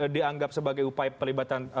dianggap sebagai upaya pelibatan